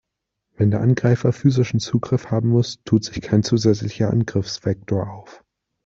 Wenn der Angreifer physischen Zugriff haben muss, tut sich kein zusätzlicher Angriffsvektor auf.